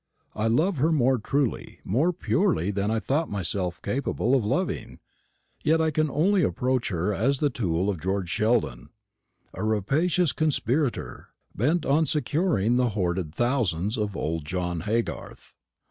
I love her more truly, more purely than I thought myself capable of loving; yet I can only approach her as the tool of George Sheldon, a rapacious conspirator, bent on securing the hoarded thousands of old John Haygarth.